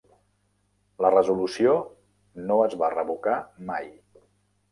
La resolució no es va revocar mai.